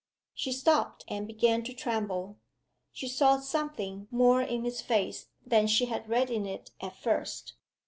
She stopped, and began to tremble. She saw something more in his face than she had read in it at first.